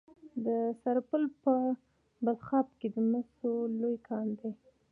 د سرپل په بلخاب کې د مسو لوی کان دی.